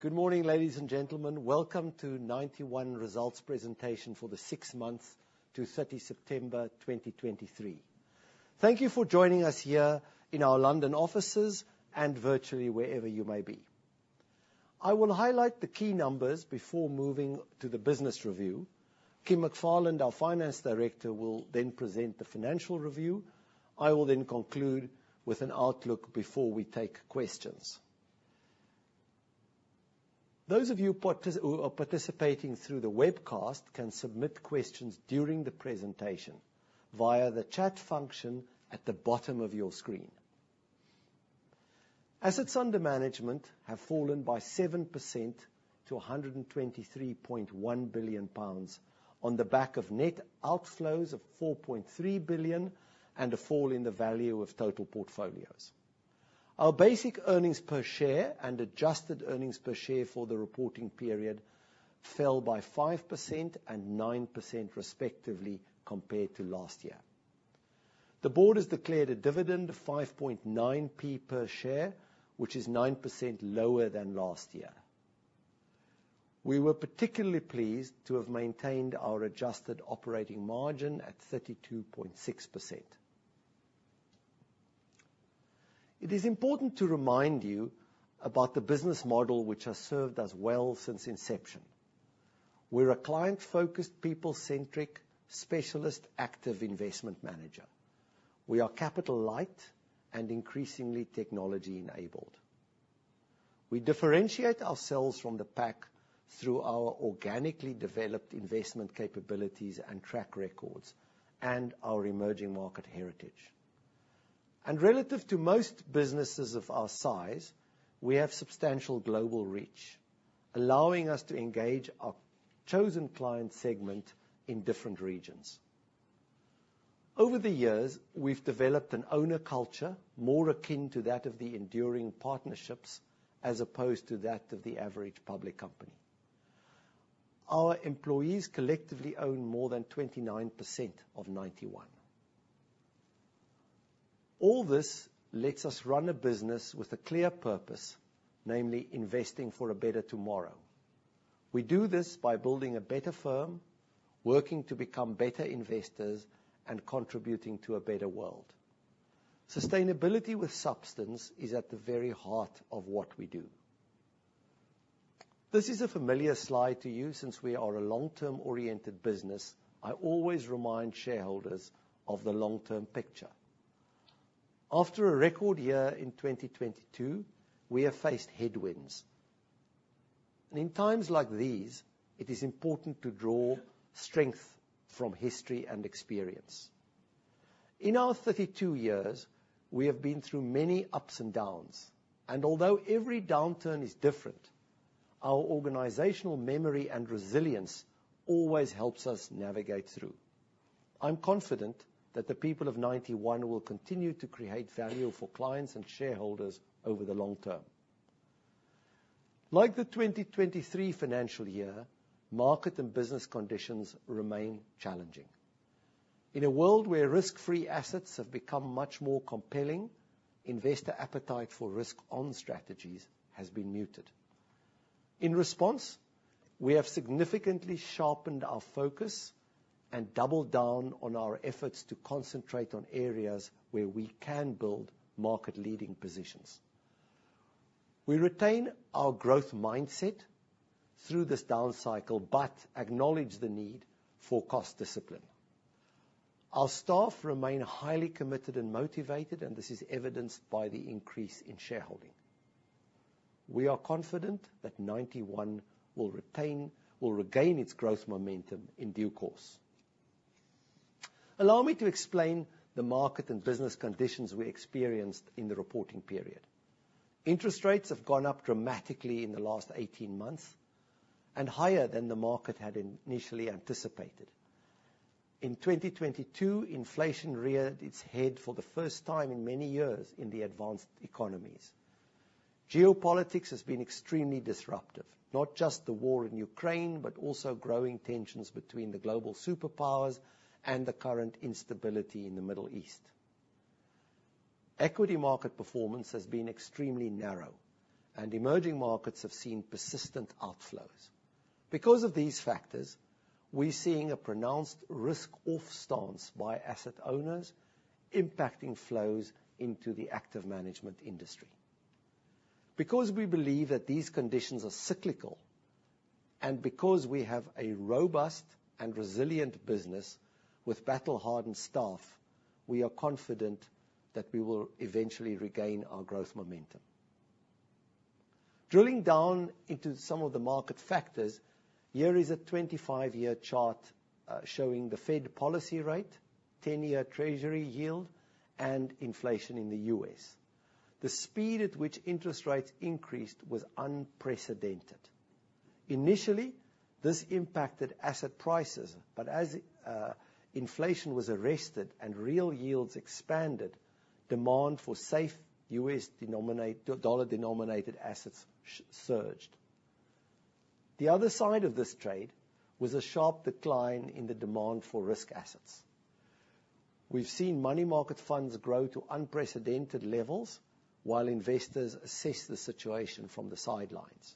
Good morning, ladies and gentlemen. Welcome to Ninety One results presentation for the six months to 30 September 2023. Thank you for joining us here in our London offices and virtually wherever you may be. I will highlight the key numbers before moving to the business review. Kim McFarland, our Finance Director, will then present the financial review. I will then conclude with an outlook before we take questions. Those of you who are participating through the webcast can submit questions during the presentation via the chat function at the bottom of your screen. Assets under management have fallen by 7% to 123.1 billion pounds, on the back of net outflows of 4.3 billion and a fall in the value of total portfolios. Our basic earnings per share and adjusted earnings per share for the reporting period fell by 5% and 9% respectively, compared to last year. The board has declared a dividend of 5.9p per share, which is 9% lower than last year. We were particularly pleased to have maintained our adjusted operating margin at 32.6%. It is important to remind you about the business model, which has served us well since inception. We're a client-focused, people-centric, specialist, active investment manager. We are capital light and increasingly technology enabled. We differentiate ourselves from the pack through our organically developed investment capabilities and track records, and our emerging market heritage. Relative to most businesses of our size, we have substantial global reach, allowing us to engage our chosen client segment in different regions. Over the years, we've developed an owner culture more akin to that of the enduring partnerships, as opposed to that of the average public company. Our employees collectively own more than 29% of Ninety One. All this lets us run a business with a clear purpose, namely investing for a better tomorrow. We do this by building a better firm, working to become better investors, and contributing to a better world. Sustainability with substance is at the very heart of what we do. This is a familiar slide to you. Since we are a long-term oriented business, I always remind shareholders of the long-term picture. After a record year in 2022, we have faced headwinds, and in times like these, it is important to draw strength from history and experience. In our 32 years, we have been through many ups and downs, and although every downturn is different, our organizational memory and resilience always helps us navigate through. I'm confident that the people of Ninety One will continue to create value for clients and shareholders over the long term. Like the 2023 financial year, market and business conditions remain challenging. In a world where risk-free assets have become much more compelling, investor appetite for risk-on strategies has been muted. In response, we have significantly sharpened our focus and doubled down on our efforts to concentrate on areas where we can build market-leading positions. We retain our growth mindset through this down cycle, but acknowledge the need for cost discipline. Our staff remain highly committed and motivated, and this is evidenced by the increase in shareholding. We are confident that Ninety One will regain its growth momentum in due course. Allow me to explain the market and business conditions we experienced in the reporting period. Interest rates have gone up dramatically in the last 18 months and higher than the market had initially anticipated. In 2022, inflation reared its head for the first time in many years in the advanced economies. Geopolitics has been extremely disruptive, not just the war in Ukraine, but also growing tensions between the global superpowers and the current instability in the Middle East. Equity market performance has been extremely narrow, and emerging markets have seen persistent outflows. Because of these factors, we're seeing a pronounced risk-off stance by asset owners, impacting flows into the active management industry. Because we believe that these conditions are cyclical, and because we have a robust and resilient business with battle-hardened staff, we are confident that we will eventually regain our growth momentum. Drilling down into some of the market factors, here is a 25-year chart showing the Fed policy rate, 10-year Treasury yield, and inflation in the U.S. The speed at which interest rates increased was unprecedented. Initially, this impacted asset prices, but as inflation was arrested and real yields expanded, demand for safe U.S. dollar-denominated assets surged. The other side of this trade was a sharp decline in the demand for risk assets. We've seen money market funds grow to unprecedented levels while investors assess the situation from the sidelines.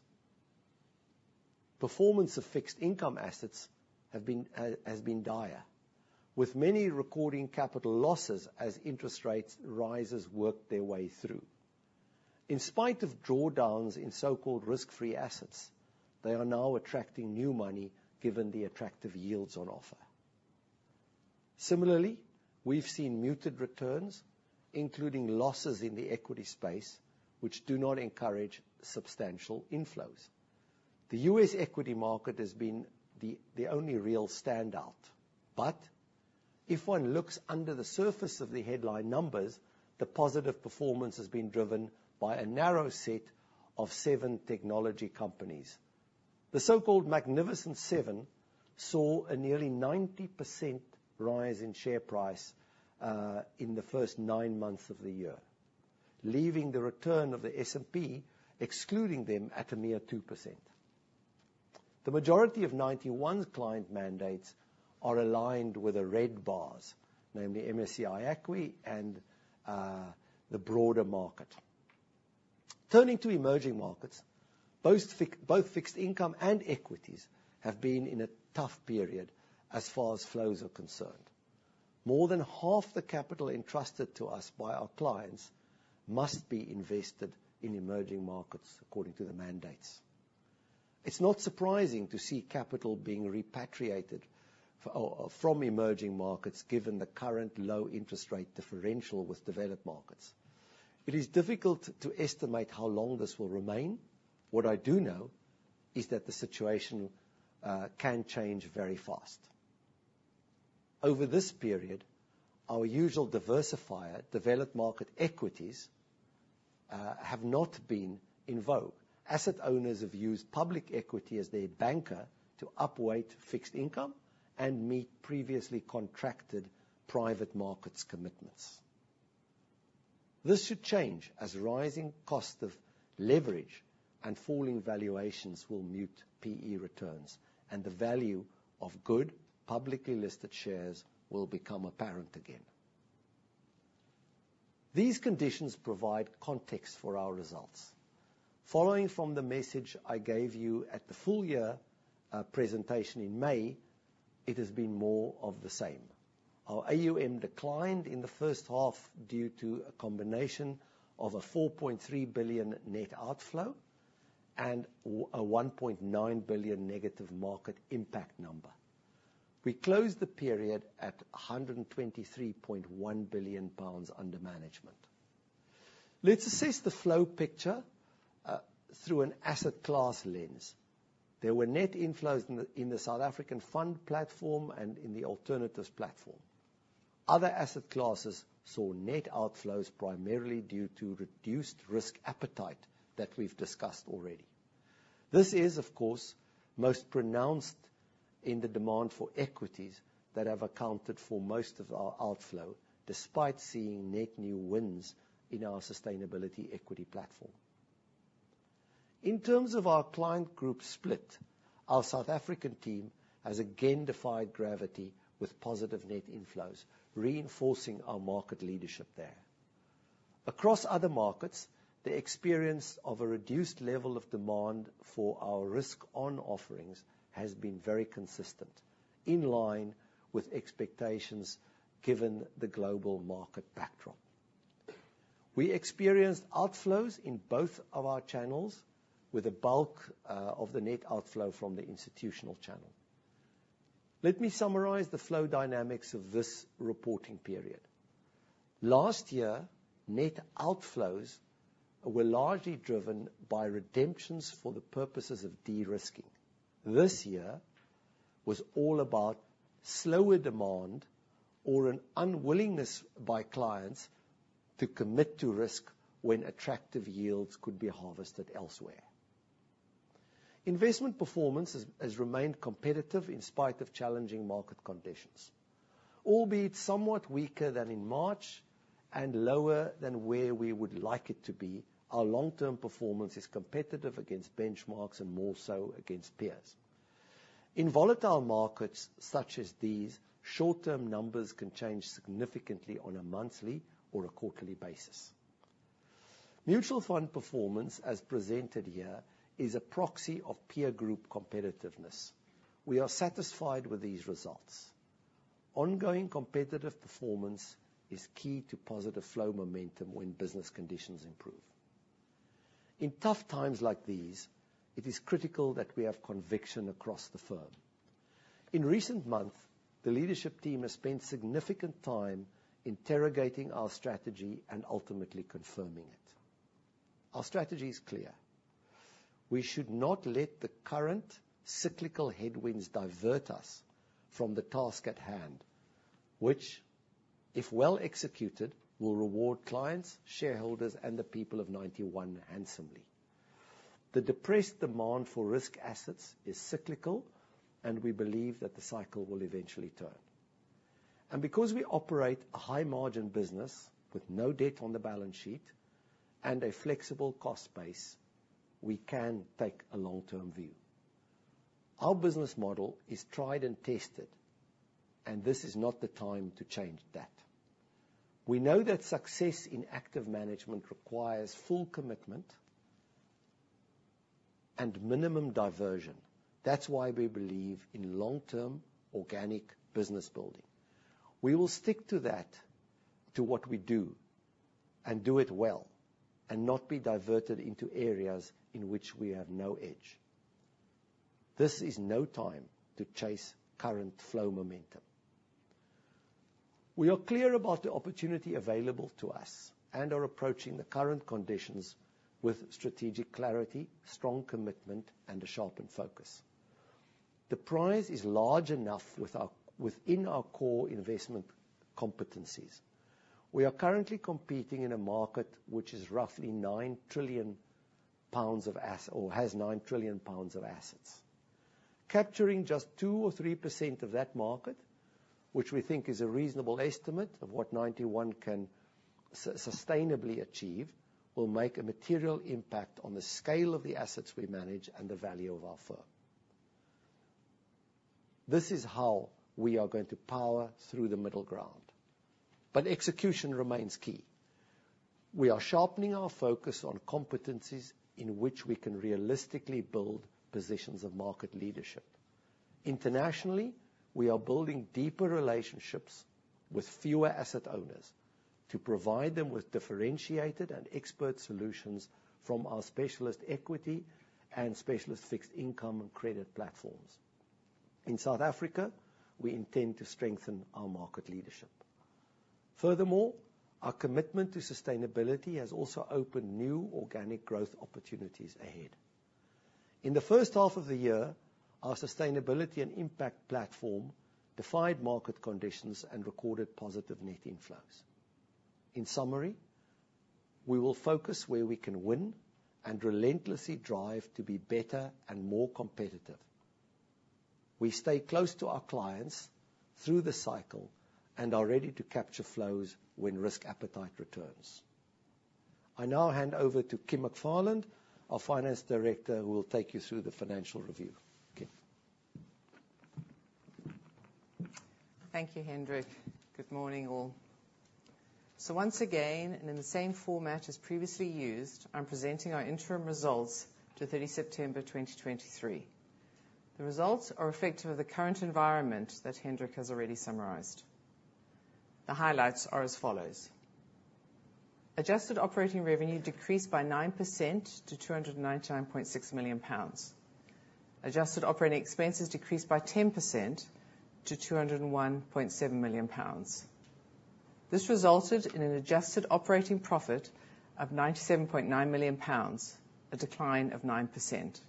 Performance of fixed income assets has been dire, with many recording capital losses as interest rates rises work their way through. In spite of drawdowns in so-called risk-free assets, they are now attracting new money, given the attractive yields on offer. Similarly, we've seen muted returns, including losses in the equity space, which do not encourage substantial inflows. The US equity market has been the only real standout, but if one looks under the surface of the headline numbers, the positive performance has been driven by a narrow set of seven technology companies. The so-called Magnificent Seven saw a nearly 90% rise in share price in the first nine months of the year, leaving the return of the S&P, excluding them, at a mere 2%. The majority of Ninety One client mandates are aligned with the red bars, namely MSCI ACWI and the broader market. Turning to emerging markets, both fixed income and equities have been in a tough period as far as flows are concerned. More than half the capital entrusted to us by our clients must be invested in emerging markets according to the mandates. It's not surprising to see capital being repatriated from emerging markets, given the current low interest rate differential with developed markets. It is difficult to estimate how long this will remain. What I do know is that the situation can change very fast. Over this period, our usual diversifier, developed market equities, have not been in vogue. Asset owners have used public equity as their banker to upweight fixed income and meet previously contracted private markets commitments. This should change as rising cost of leverage and falling valuations will mute PE returns, and the value of good publicly listed shares will become apparent again. These conditions provide context for our results. Following from the message I gave you at the full year presentation in May, it has been more of the same. Our AUM declined in the first half due to a combination of a 4.3 billion net outflow and a 1.9 billion negative market impact number. We closed the period at 123.1 billion pounds under management. Let's assess the flow picture through an asset class lens. There were net inflows in the South African fund platform and in the alternatives platform. Other asset classes saw net outflows, primarily due to reduced risk appetite that we've discussed already. This is, of course, most pronounced in the demand for equities that have accounted for most of our outflow, despite seeing net new wins in our sustainability equity platform. In terms of our client group split, our South African team has again defied gravity with positive net inflows, reinforcing our market leadership there. Across other markets, the experience of a reduced level of demand for our risk-on offerings has been very consistent, in line with expectations given the global market backdrop. We experienced outflows in both of our channels, with a bulk of the net outflow from the institutional channel. Let me summarize the flow dynamics of this reporting period. Last year, net outflows were largely driven by redemptions for the purposes of de-risking. This year was all about slower demand or an unwillingness by clients to commit to risk when attractive yields could be harvested elsewhere. Investment performance has remained competitive in spite of challenging market conditions. Albeit somewhat weaker than in March and lower than where we would like it to be, our long-term performance is competitive against benchmarks and more so against peers. In volatile markets such as these, short-term numbers can change significantly on a monthly or a quarterly basis. Mutual fund performance, as presented here, is a proxy of peer group competitiveness. We are satisfied with these results. Ongoing competitive performance is key to positive flow momentum when business conditions improve. In tough times like these, it is critical that we have conviction across the firm. In recent months, the leadership team has spent significant time interrogating our strategy and ultimately confirming it. Our strategy is clear: We should not let the current cyclical headwinds divert us from the task at hand, which, if well executed, will reward clients, shareholders, and the people of Ninety One handsomely. The depressed demand for risk assets is cyclical, and we believe that the cycle will eventually turn. And because we operate a high-margin business with no debt on the balance sheet and a flexible cost base, we can take a long-term view.... Our business model is tried and tested, and this is not the time to change that. We know that success in active management requires full commitment and minimum diversion. That's why we believe in long-term, organic business building. We will stick to that, to what we do, and do it well, and not be diverted into areas in which we have no edge. This is no time to chase current flow momentum. We are clear about the opportunity available to us and are approaching the current conditions with strategic clarity, strong commitment, and a sharpened focus. The prize is large enough within our core investment competencies. We are currently competing in a market which is roughly 9 trillion pounds of assets. Capturing just 2% or 3% of that market, which we think is a reasonable estimate of what Ninety One can sustainably achieve, will make a material impact on the scale of the assets we manage and the value of our firm. This is how we are going to power through the middle ground, but execution remains key. We are sharpening our focus on competencies in which we can realistically build positions of market leadership. Internationally, we are building deeper relationships with fewer asset owners to provide them with differentiated and expert solutions from our specialist equity and specialist fixed income and credit platforms. In South Africa, we intend to strengthen our market leadership. Furthermore, our commitment to sustainability has also opened new organic growth opportunities ahead. In the first half of the year, our sustainability and impact platform defied market conditions and recorded positive net inflows. In summary, we will focus where we can win and relentlessly drive to be better and more competitive. We stay close to our clients through the cycle and are ready to capture flows when risk appetite returns. I now hand over to Kim McFarland, our Finance Director, who will take you through the financial review. Kim? Thank you, Hendrik. Good morning, all. So once again, and in the same format as previously used, I'm presenting our interim results to 30 September 2023. The results are reflective of the current environment that Hendrik has already summarized. The highlights are as follows: Adjusted operating revenue decreased by 9% to 299.6 million pounds. Adjusted operating expenses decreased by 10% to 201.7 million pounds. This resulted in an adjusted operating profit of 97.9 million pounds, a decline of 9%.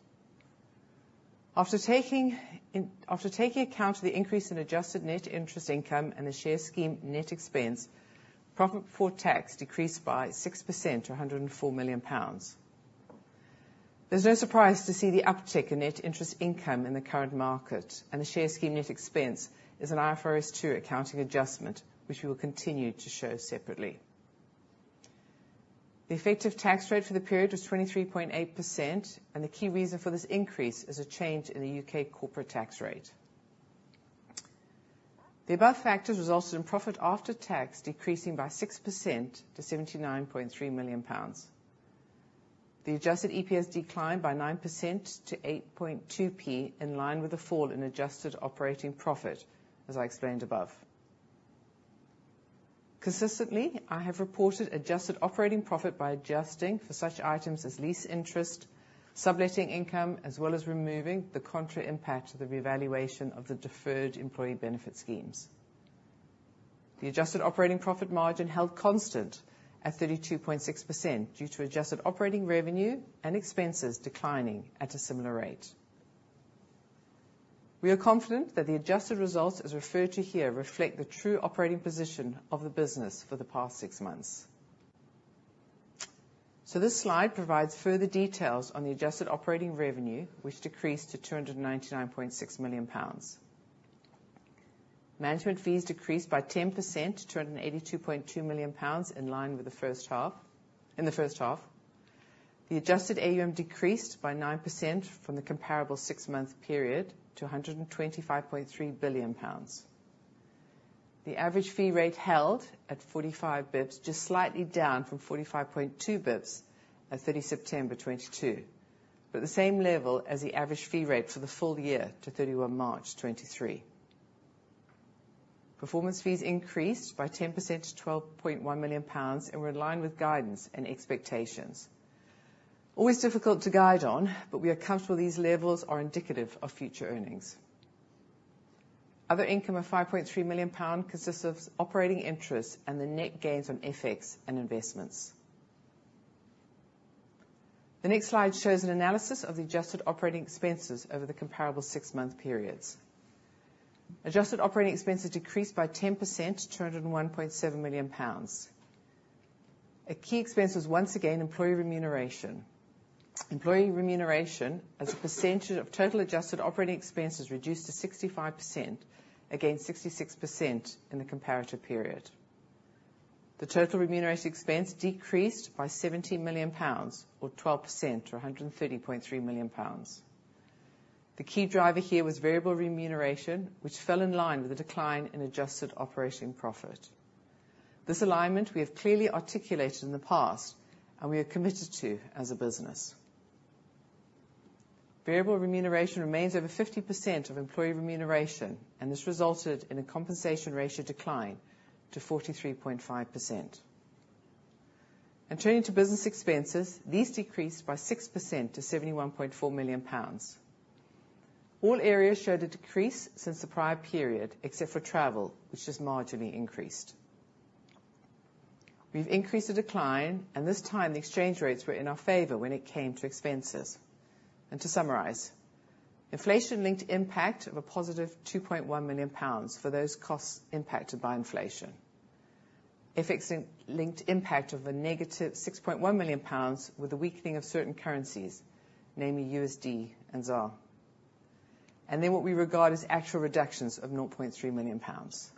After taking in, after taking account of the increase in adjusted net interest income and the share scheme net expense, profit before tax decreased by 6% to 104 million pounds. There's no surprise to see the uptick in net interest income in the current market, and the share scheme net expense is an IFRS 2 accounting adjustment, which we will continue to show separately. The effective tax rate for the period was 23.8%, and the key reason for this increase is a change in the U.K. corporate tax rate. The above factors resulted in profit after tax decreasing by 6% to 79.3 million pounds. The adjusted EPS declined by 9% to 8.2p, in line with a fall in adjusted operating profit, as I explained above. Consistently, I have reported adjusted operating profit by adjusting for such items as lease interest, subletting income, as well as removing the contra impact of the revaluation of the deferred employee benefit schemes. The adjusted operating profit margin held constant at 32.6% due to adjusted operating revenue and expenses declining at a similar rate. We are confident that the adjusted results, as referred to here, reflect the true operating position of the business for the past six months. This slide provides further details on the adjusted operating revenue, which decreased to 299.6 million pounds. Management fees decreased by 10% to 282.2 million pounds, in line with the first half, in the first half. The adjusted AUM decreased by 9% from the comparable six-month period to 125.3 billion pounds. The average fee rate held at 45 basis points, just slightly down from 45.2 basis points at 30 September 2022, but the same level as the average fee rate for the full year to 31 March 2023. Performance fees increased by 10% to 12.1 million pounds and were in line with guidance and expectations. Always difficult to guide on, but we are comfortable these levels are indicative of future earnings. Other income of 5.3 million pound consists of operating interest and the net gains on FX and investments. The next slide shows an analysis of the adjusted operating expenses over the comparable six-month periods. Adjusted operating expenses decreased by 10% to 201.7 million pounds. A key expense is, once again, employee remuneration. Employee remuneration, as a percentage of total adjusted operating expense, is reduced to 65%, against 66% in the comparative period. The total remuneration expense decreased by 70 million pounds, or 12%, to 130.3 million pounds. The key driver here was variable remuneration, which fell in line with the decline in adjusted operating profit. This alignment we have clearly articulated in the past, and we are committed to as a business. Variable remuneration remains over 50% of employee remuneration, and this resulted in a compensation ratio decline to 43.5%. Turning to business expenses, these decreased by 6% to 71.4 million pounds. All areas showed a decrease since the prior period, except for travel, which just marginally increased. We've increased the decline, and this time, the exchange rates were in our favor when it came to expenses. To summarize, inflation-linked impact of a positive 2.1 million pounds for those costs impacted by inflation. FX-linked impact of a negative 6.1 million pounds, with a weakening of certain currencies, namely USD and ZAR. Then what we regard as actual reductions of 0.3 million pounds.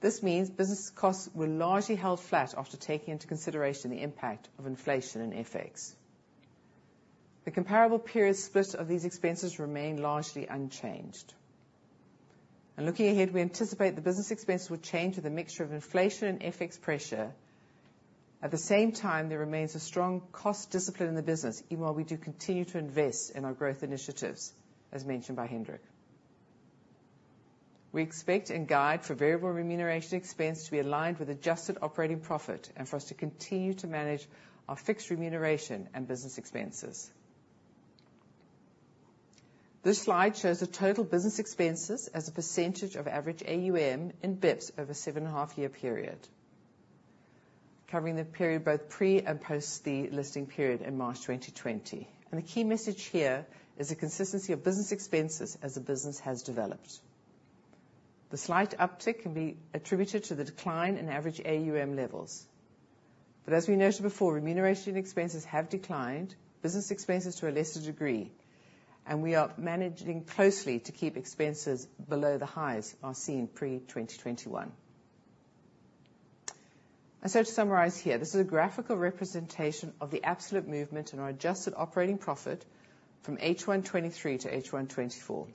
This means business costs were largely held flat after taking into consideration the impact of inflation and FX. The comparable period split of these expenses remain largely unchanged. Looking ahead, we anticipate the business expense will change with a mixture of inflation and FX pressure. At the same time, there remains a strong cost discipline in the business, even while we do continue to invest in our growth initiatives, as mentioned by Hendrik. We expect and guide for variable remuneration expense to be aligned with adjusted operating profit and for us to continue to manage our fixed remuneration and business expenses. This slide shows the total business expenses as a percentage of average AUM in bps over a 7.5-year period, covering the period both pre and post the listing period in March 2020. The key message here is the consistency of business expenses as the business has developed. The slight uptick can be attributed to the decline in average AUM levels. But as we noted before, remuneration expenses have declined, business expenses to a lesser degree, and we are managing closely to keep expenses below the highs seen pre-2021. To summarize here, this is a graphical representation of the absolute movement in our adjusted operating profit from H1 2023 to H1 2024.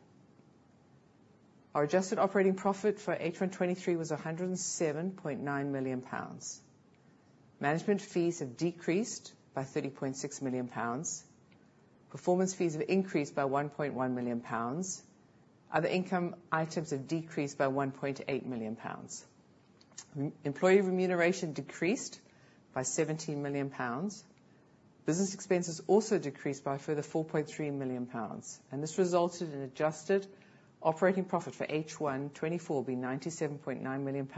Our adjusted operating profit for H1 2023 was 107.9 million pounds. Management fees have decreased by 30.6 million pounds. Performance fees have increased by 1.1 million pounds. Other income items have decreased by 1.8 million pounds. Employee remuneration decreased by 17 million pounds. Business expenses also decreased by a further 4.3 million pounds, and this resulted in adjusted operating profit for H1 2024, being GBP 97.9 million,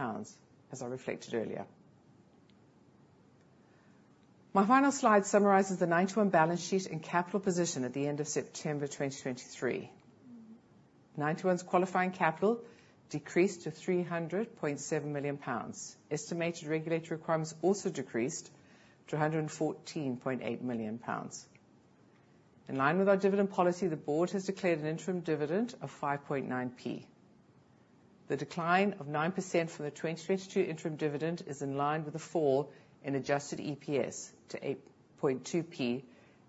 as I reflected earlier. My final slide summarizes the Ninety One balance sheet and capital position at the end of September 2023. Ninety One's Qualifying Capital decreased to 300.7 million pounds. Estimated regulatory requirements also decreased to 114.8 million pounds. In line with our dividend policy, the board has declared an interim dividend of 5.9p. The decline of 9% from the 2022 interim dividend is in line with the fall in adjusted EPS to 8.2p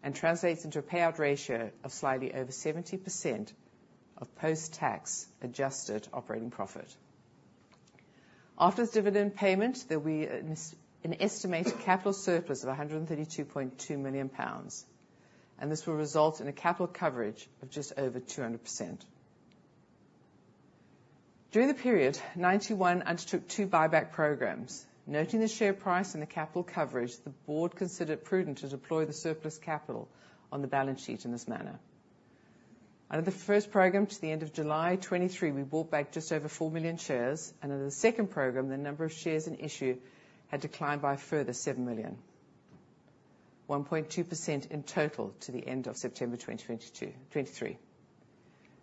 and translates into a payout ratio of slightly over 70% of post-tax adjusted operating profit. After the dividend payment, there will be an estimated capital surplus of 132.2 million pounds, and this will result in a capital coverage of just over 200%. During the period, Ninety One undertook two buyback programs. Noting the share price and the capital coverage, the board considered it prudent to deploy the surplus capital on the balance sheet in this manner. Under the first program, to the end of July 2023, we bought back just over 4 million shares, and under the second program, the number of shares in issue had declined by a further 7 million, 1.2% in total to the end of September 2022, 2023.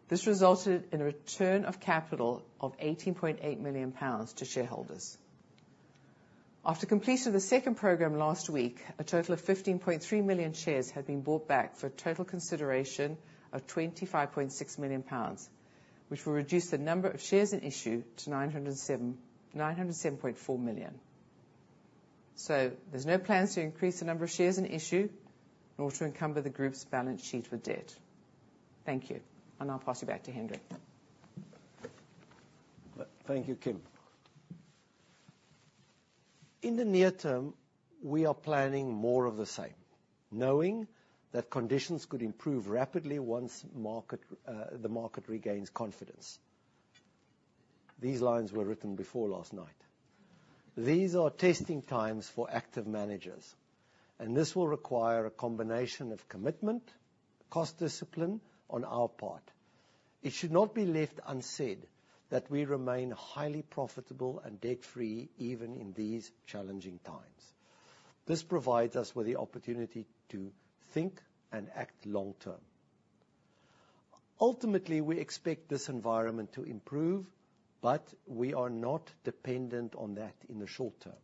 This resulted in a return of capital of 18.8 million pounds to shareholders. After completion of the second program last week, a total of 15.3 million shares have been bought back for a total consideration of 25.6 million pounds, which will reduce the number of shares in issue to 907, 907.4 million. So there's no plans to increase the number of shares in issue, nor to encumber the group's balance sheet with debt. Thank you, and I'll pass you back to Hendrik. Thank you, Kim. In the near term, we are planning more of the same, knowing that conditions could improve rapidly once the market regains confidence. These lines were written before last night. These are testing times for active managers, and this will require a combination of commitment, cost discipline on our part. It should not be left unsaid that we remain highly profitable and debt-free, even in these challenging times. This provides us with the opportunity to think and act long term. Ultimately, we expect this environment to improve, but we are not dependent on that in the short term.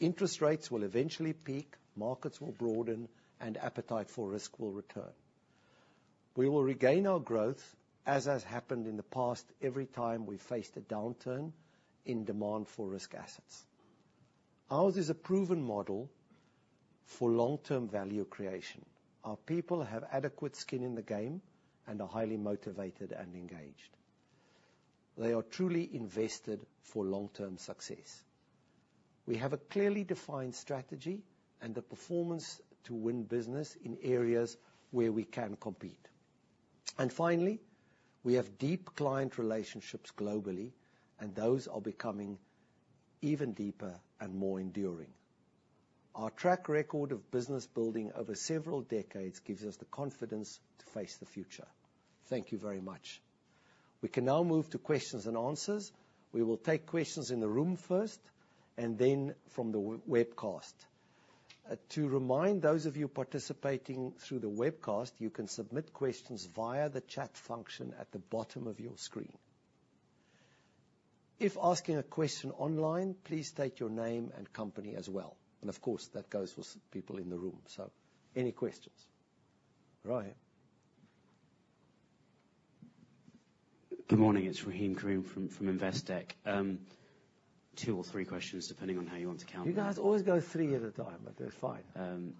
Interest rates will eventually peak, markets will broaden, and appetite for risk will return… we will regain our growth, as has happened in the past, every time we've faced a downturn in demand for risk assets. Ours is a proven model for long-term value creation. Our people have adequate skin in the game and are highly motivated and engaged. They are truly invested for long-term success. We have a clearly defined strategy and the performance to win business in areas where we can compete. And finally, we have deep client relationships globally, and those are becoming even deeper and more enduring. Our track record of business building over several decades gives us the confidence to face the future. Thank you very much. We can now move to questions and answers. We will take questions in the room first, and then from the webcast. To remind those of you participating through the webcast, you can submit questions via the chat function at the bottom of your screen. If asking a question online, please state your name and company as well. And of course, that goes for people in the room. So any questions? Right here. Good morning, it's Raheem Karim from Investec. Two or three questions, depending on how you want to count them. You guys always go three at a time, but they're fine.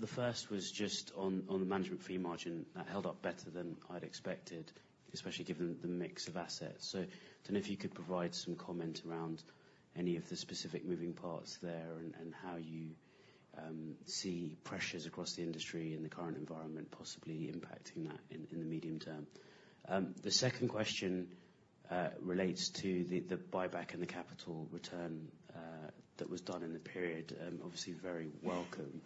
The first was just on, on the management fee margin. That held up better than I'd expected, especially given the mix of assets. So don't know if you could provide some comment around any of the specific moving parts there, and, and how you see pressures across the industry in the current environment, possibly impacting that in, in the medium term. The second question relates to the, the buyback and the capital return that was done in the period, obviously very welcome.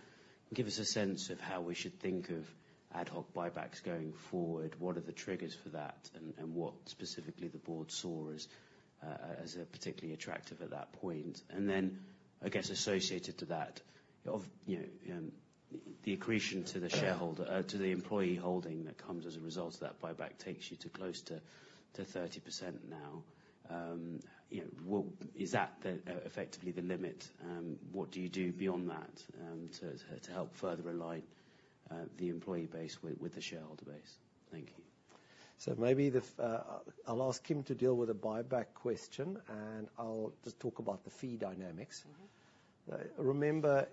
Give us a sense of how we should think of ad hoc buybacks going forward. What are the triggers for that, and, and what specifically the board saw as, as, particularly attractive at that point? Then, I guess, associated to that, you know, the accretion to the employee holding that comes as a result of that buyback takes you to close to 30% now. You know, what... Is that effectively the limit? What do you do beyond that to help further align the employee base with the shareholder base? Thank you. So maybe I'll ask Kim to deal with the buyback question, and I'll just talk about the fee dynamics. Mm-hmm. Remember,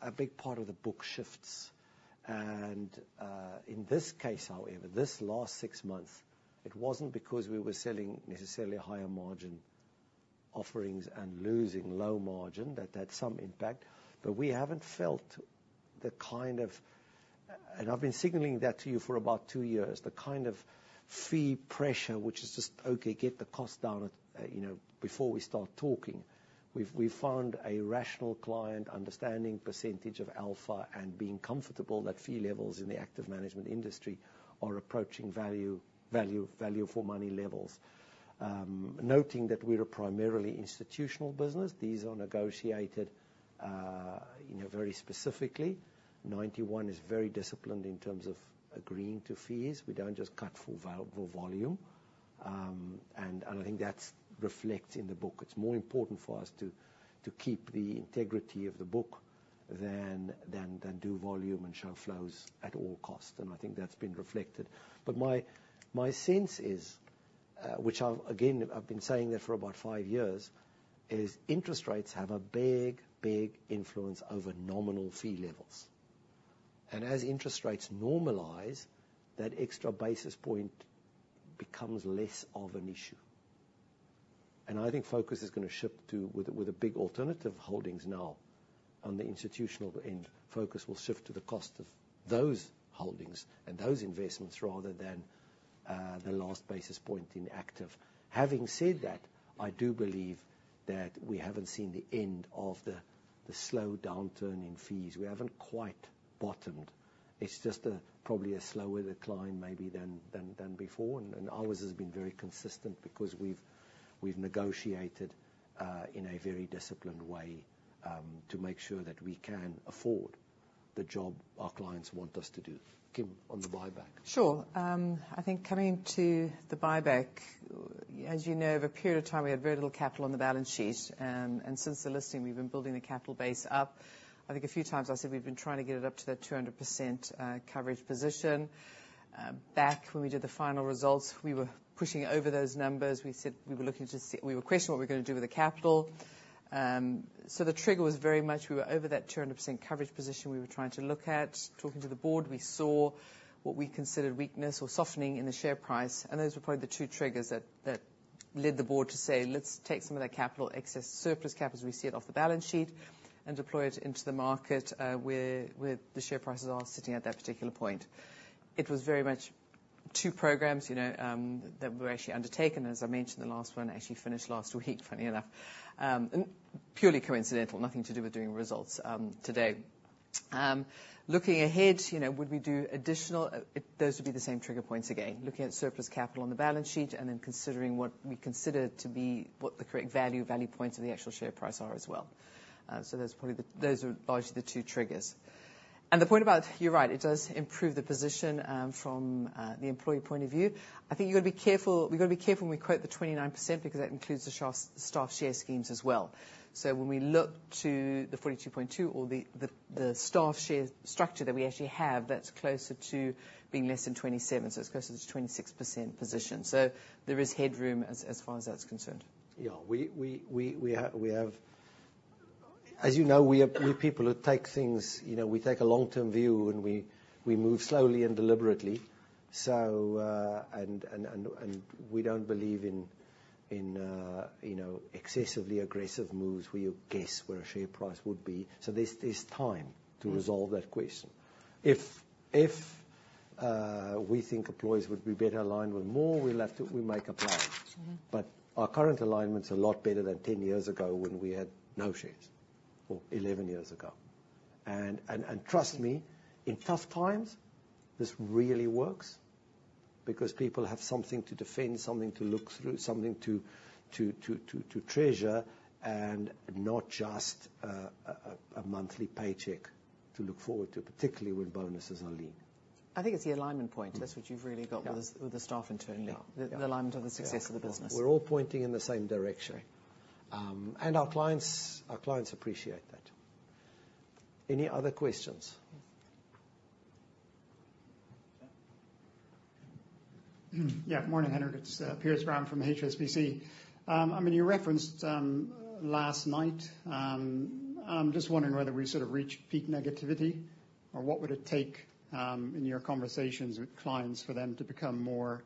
a big part of the book shifts, and in this case, however, this last six months, it wasn't because we were selling necessarily higher margin offerings and losing low margin. That had some impact, but we haven't felt the kind of... and I've been signaling that to you for about two years, the kind of fee pressure, which is just, okay, get the cost down, you know, before we start talking. We've found a rational client understanding percentage of alpha and being comfortable that fee levels in the active management industry are approaching value, value, value for money levels. Noting that we're a primarily institutional business, these are negotiated, you know, very specifically. Ninety One is very disciplined in terms of agreeing to fees. We don't just cut for volume. And I think that reflects in the book. It's more important for us to keep the integrity of the book than do volume and show flows at all costs, and I think that's been reflected. But my sense is, which I've again been saying that for about five years, is interest rates have a big, big influence over nominal fee levels. And as interest rates normalize, that extra basis point becomes less of an issue. And I think focus is gonna shift to, with the big alternative holdings now on the institutional end, focus will shift to the cost of those holdings and those investments rather than the last basis point in active. Having said that, I do believe that we haven't seen the end of the slow downturn in fees. We haven't quite bottomed. It's just a probably a slower decline, maybe than before. And ours has been very consistent because we've negotiated in a very disciplined way to make sure that we can afford the job our clients want us to do. Kim, on the buyback. Sure. I think coming to the buyback, as you know, over a period of time, we had very little capital on the balance sheet. Since the listing, we've been building the capital base up. I think a few times I said we've been trying to get it up to that 200% coverage position. Back when we did the final results, we were pushing over those numbers. We said we were looking to... We were questioning what we're gonna do with the capital. The trigger was very much, we were over that 200% coverage position we were trying to look at. Talking to the board, we saw what we considered weakness or softening in the share price, and those were probably the two triggers that led the board to say, "Let's take some of that capital excess, surplus capital, as we see it, off the balance sheet, and deploy it into the market, where, where the share prices are sitting at that particular point." It was very much two programs, you know, that were actually undertaken. As I mentioned, the last one actually finished last week, funny enough. And purely coincidental, nothing to do with doing results, today. Looking ahead, you know, would we do additional? Those would be the same trigger points again. Looking at surplus capital on the balance sheet, and then considering what we consider to be what the correct value points of the actual share price are as well. So those are probably the, those are largely the two triggers. And the point about, you're right, it does improve the position, from the employee point of view. I think you've got to be careful, we've got to be careful when we quote the 29%, because that includes the staff share schemes as well. So when we look to the 42.2 or the staff share structure that we actually have, that's closer to being less than 27, so it's closer to the 26% position. So there is headroom as far as that's concerned. Yeah. As you know, we are people who take things, you know, we take a long-term view, and we move slowly and deliberately. So, we don't believe in you know, excessively aggressive moves where you guess where a share price would be. So there's time to resolve that question. If we think employees would be better aligned with more, we'll have to, we make a plan. Mm-hmm. But our current alignment's a lot better than 10 years ago when we had no shares, or 11 years ago. And trust me, in tough times, this really works because people have something to defend, something to look through, something to treasure, and not just a monthly paycheck to look forward to, particularly when bonuses are lean. I think it's the alignment point. Mm. That's what you've really got- Yeah ...with the staff internally. Yeah. The alignment of the success of the business. We're all pointing in the same direction. And our clients, our clients appreciate that. Any other questions? Yeah. Morning, Hendrik. It's Piers Brown from HSBC. I mean, you referenced last night. I'm just wondering whether we sort of reached peak negativity, or what would it take in your conversations with clients for them to become more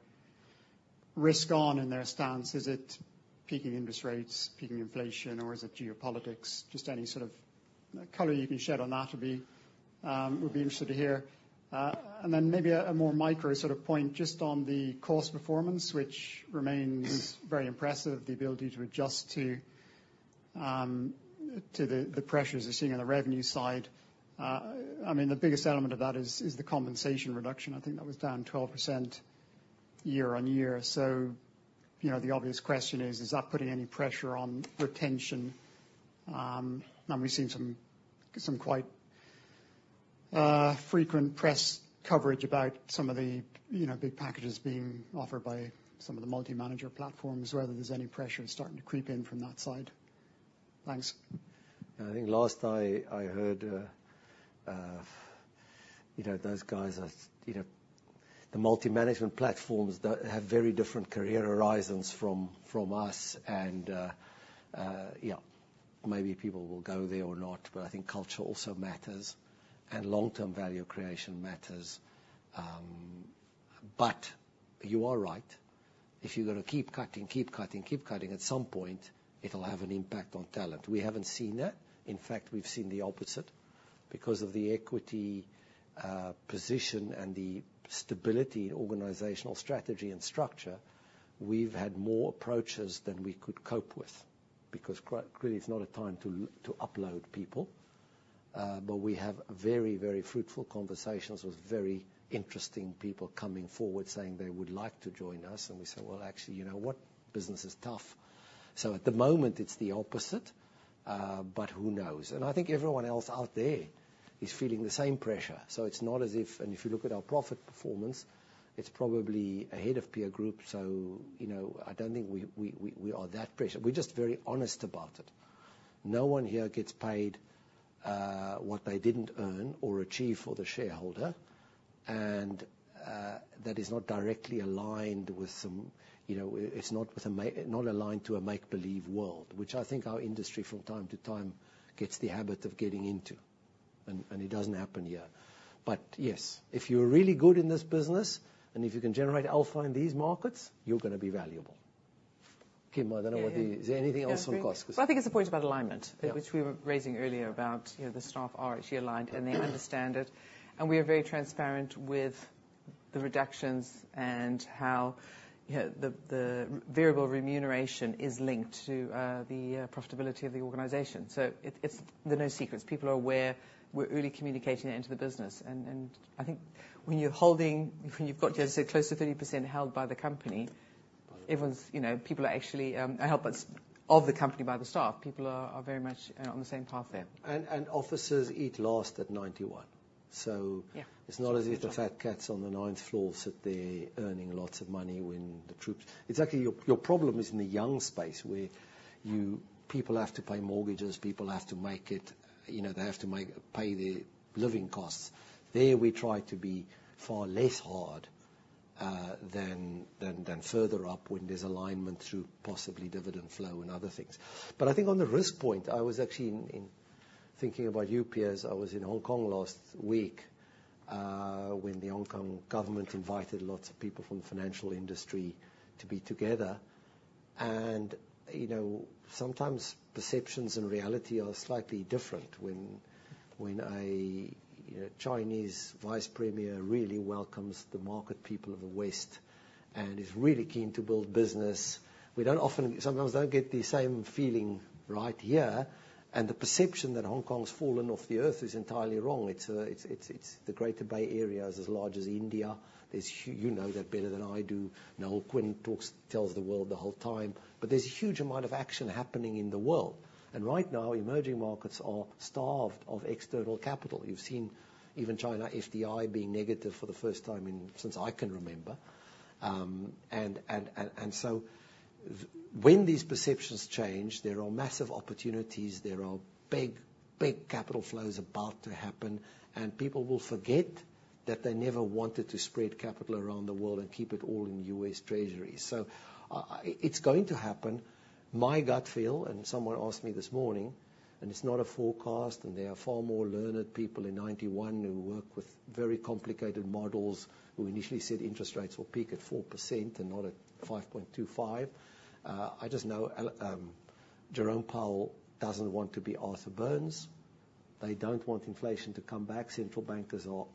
risk-on in their stance? Is it peaking interest rates, peaking inflation, or is it geopolitics? Just any sort of color you can shed on that would be interested to hear. And then maybe a more micro sort of point just on the cost performance, which remains very impressive, the ability to adjust to the pressures we're seeing on the revenue side. I mean, the biggest element of that is the compensation reduction. I think that was down 12% year-on-year. So, you know, the obvious question is: Is that putting any pressure on retention? We've seen some quite frequent press coverage about some of the, you know, big packages being offered by some of the multi-manager platforms, whether there's any pressure starting to creep in from that side. Thanks. I think last I heard, you know, those guys are, you know. The multi-management platforms have very different career horizons from us, and yeah, maybe people will go there or not, but I think culture also matters, and long-term value creation matters. But you are right. If you're gonna keep cutting, keep cutting, keep cutting, at some point, it'll have an impact on talent. We haven't seen that. In fact, we've seen the opposite. Because of the equity position and the stability, organizational strategy, and structure, we've had more approaches than we could cope with, because quite clearly, it's not a time to upload people. But we have very, very fruitful conversations with very interesting people coming forward, saying they would like to join us. And we say, "Well, actually, you know what? Business is tough." So at the moment, it's the opposite, but who knows? And I think everyone else out there is feeling the same pressure, so it's not as if... And if you look at our profit performance, it's probably ahead of peer groups, so, you know, I don't think we are that pressured. We're just very honest about it. No one here gets paid what they didn't earn or achieve for the shareholder, and that is not directly aligned with some, you know, it's not aligned to a make-believe world, which I think our industry, from time to time, gets the habit of getting into, and it doesn't happen here. But yes, if you're really good in this business, and if you can generate alpha in these markets, you're gonna be valuable. Kim, I don't know what the- Yeah. Is there anything else on costs? Well, I think it's a point about alignment- Yeah ...which we were raising earlier about, you know, the staff are actually aligned, and they understand it. And we are very transparent with the reductions and how, you know, the variable remuneration is linked to the profitability of the organization. So it, it's there are no secrets. People are aware. We're really communicating it into the business. And I think when you're holding, when you've got, as I say, close to 30% held by the company, everyone's, you know, people are actually helpers of the company by the staff. People are very much on the same path there. Officers eat last at Ninety One. So- Yeah... it's not as if the fat cats on the ninth floor sit there earning lots of money when the troops-- Exactly. Your problem is in the young space where people have to pay mortgages, people have to make it, you know, they have to make, pay their living costs. There, we try to be far less hard than further up, when there's alignment through possibly dividend flow and other things. But I think on the risk point, I was actually thinking about you, Piers. I was in Hong Kong last week, when the Hong Kong government invited lots of people from the financial industry to be together. And, you know, sometimes perceptions and reality are slightly different when a, you know, Chinese vice premier really welcomes the market people of the West and is really keen to build business. We don't often, sometimes don't get the same feeling right here, and the perception that Hong Kong's fallen off the Earth is entirely wrong. It's the Greater Bay Area is as large as India. There's you know that better than I do. Now, Quinn talks, tells the world the whole time. But there's a huge amount of action happening in the world, and right now, emerging markets are starved of external capital. You've seen even China, FDI being negative for the first time in, since I can remember. And so when these perceptions change, there are massive opportunities. There are big capital flow is about to happen, and people will forget that they never wanted to spread capital around the world and keep it all in U.S. Treasury. So, it's going to happen. My gut feel, and someone asked me this morning, and it's not a forecast, and there are far more learned people in Ninety One who work with very complicated models, who initially said interest rates will peak at 4% and not at 5.25. I just know, Jerome Powell doesn't want to be Arthur Burns. They don't want inflation to come back. Central bankers are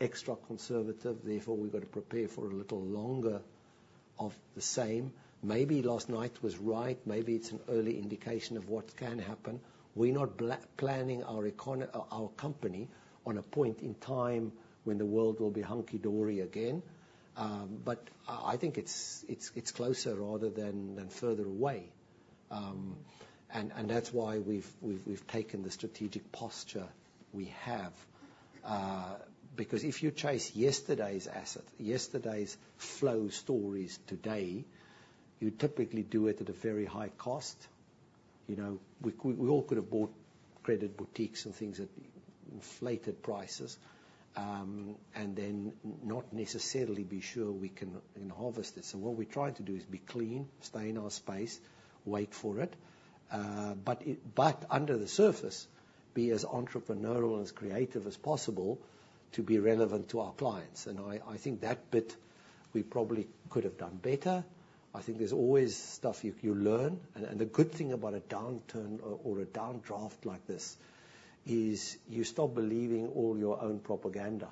extra conservative, therefore, we've got to prepare for a little longer of the same. Maybe last night was right, maybe it's an early indication of what can happen. We're not planning our company on a point in time when the world will be hunky dory again. But, I think it's closer rather than further away. And that's why we've taken the strategic posture we have. Because if you chase yesterday's asset, yesterday's flow stories today, you'd typically do it at a very high cost. You know, we all could have bought credit boutiques and things at inflated prices, and then not necessarily be sure we can, you know, harvest it. So what we're trying to do is be clean, stay in our space, wait for it. But under the surface, be as entrepreneurial and as creative as possible to be relevant to our clients. And I think that bit we probably could have done better. I think there's always stuff you learn. And the good thing about a downturn or a downdraft like this is you stop believing all your own propaganda.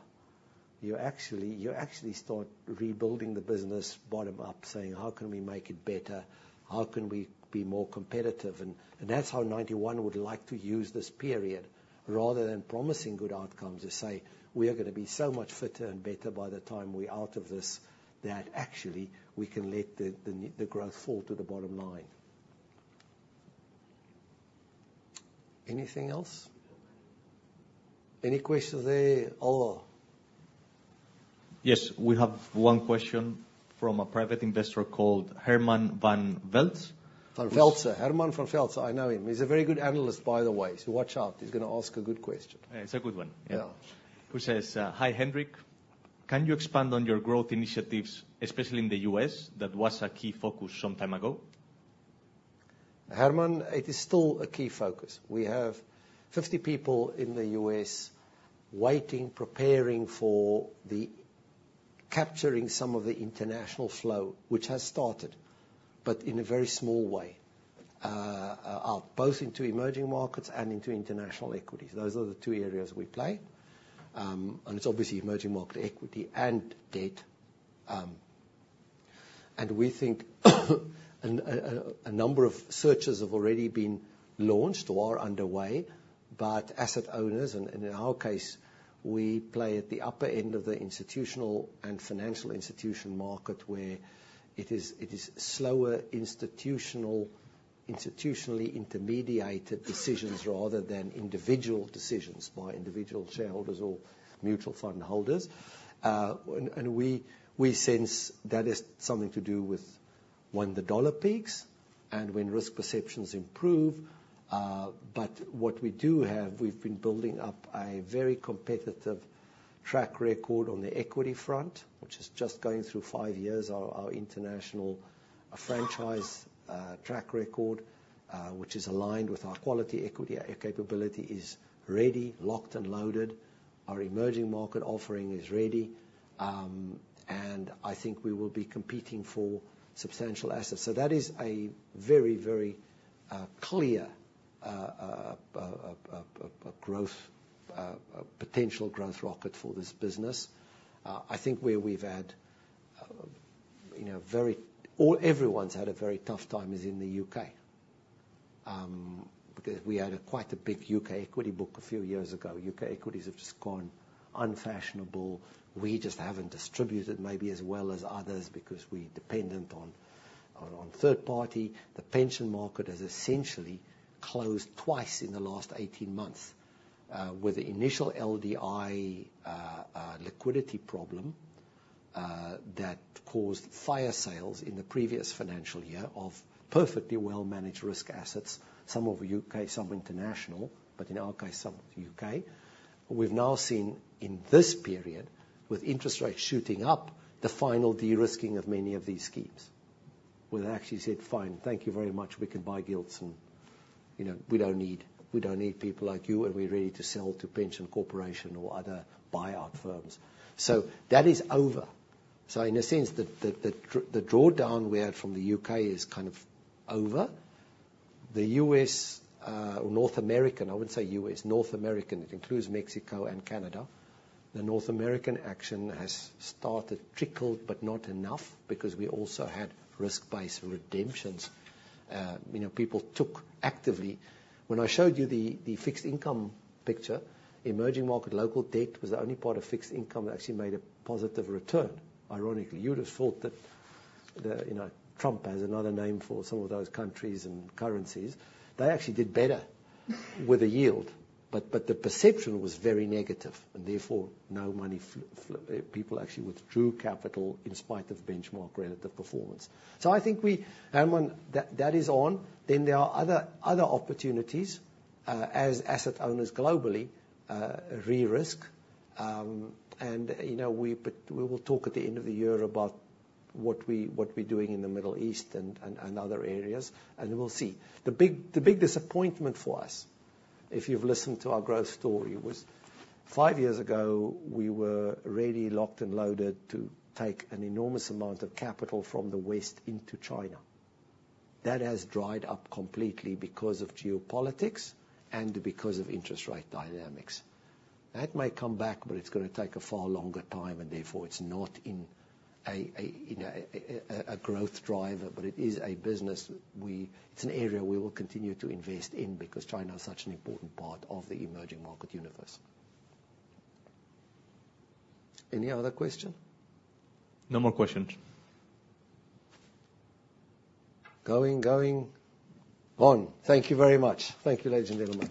You actually start rebuilding the business bottom up, saying: How can we make it better? How can we be more competitive? And that's how Ninety One would like to use this period, rather than promising good outcomes, to say, "We are gonna be so much fitter and better by the time we're out of this, that actually we can let the growth fall to the bottom line." Anything else? Any questions there, Ola? Yes, we have one question from a private investor called Herman van Velze. Van Velze. Herman van Velze, I know him. He's a very good analyst, by the way, so watch out, he's gonna ask a good question. It's a good one. Yeah. Who says, "Hi, Hendrik. Can you expand on your growth initiatives, especially in the U.S., that was a key focus some time ago? Herman, it is still a key focus. We have 50 people in the US waiting, preparing for the capturing some of the international flow, which has started, but in a very small way, both into emerging markets and into international equities. Those are the two areas we play. And it's obviously emerging market, equity, and debt. And we think, and a number of searches have already been launched or are underway, but asset owners, and in our case, we play at the upper end of the institutional and financial institution market, where it is slower institutionally intermediated decisions rather than individual decisions by individual shareholders or mutual fund holders. And we sense that is something to do with when the dollar peaks and when risk perceptions improve. But what we do have, we've been building up a very competitive track record on the equity front, which is just going through 5 years, our international franchise track record, which is aligned with our quality equity. Our capability is ready, locked and loaded. Our emerging market offering is ready. And I think we will be competing for substantial assets. So that is a very, very clear potential growth rocket for this business. I think where we've had, you know, all everyone's had a very tough time is in the U.K. Because we had quite a big U.K. equity book a few years ago. U.K. equities have just gone unfashionable. We just haven't distributed, maybe as well as others, because we're dependent on third party. The pension market has essentially closed twice in the last 18 months, with the initial LDI liquidity problem that caused fire sales in the previous financial year of perfectly well-managed risk assets, some over U.K., some international, but in our case, some U.K. We've now seen in this period, with interest rates shooting up, the final de-risking of many of these schemes. We've actually said, "Fine, thank you very much. We can buy gilts and, you know, we don't need people like you, and we're ready to sell to Pension Corporation or other buyout firms." So that is over. So in a sense, the drawdown we had from the U.K. is kind of over. The U.S., or North American, I would say U.S., North American, it includes Mexico and Canada. The North American action has started, trickled, but not enough, because we also had risk-based redemptions. You know, people took actively. When I showed you the fixed income picture, emerging market local debt was the only part of fixed income that actually made a positive return, ironically. You would have thought that the... You know, Trump has another name for some of those countries and currencies. They actually did better with a yield, but the perception was very negative, and therefore, people actually withdrew capital in spite of benchmark relative performance. So I think we... Herman, that is on. Then there are other opportunities as asset owners globally re-risk. And, you know, but we will talk at the end of the year about what we're doing in the Middle East and other areas, and then we'll see. The big disappointment for us, if you've listened to our growth story, was five years ago, we were ready, locked and loaded to take an enormous amount of capital from the West into China. That has dried up completely because of geopolitics and because of interest rate dynamics. That may come back, but it's gonna take a far longer time, and therefore, it's not, you know, a growth driver, but it is a business—it's an area we will continue to invest in because China is such an important part of the emerging market universe. Any other question? No more questions. Going, going, gone. Thank you very much. Thank you, ladies and gentlemen.